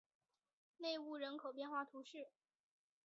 内乌人口变化图示